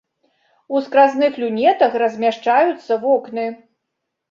У скразных люнетах размяшчаюцца вокны.